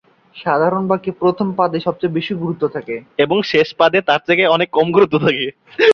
সাধারণত বাক্যের প্রথম পদে সবচেয়ে বেশি গুরুত্ব থাকে, এবং শেষ পদে তার চেয়ে কিছু কম গুরুত্ব থাকে।